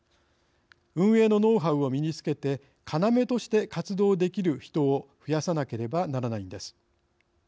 運営のノウハウを身につけて要として活動できる人を増やさなければならないんです。